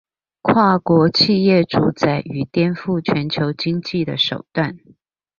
跨國企業主宰與顛覆全球經濟的手段